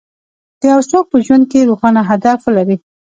که يو څوک په ژوند کې روښانه هدف ولري.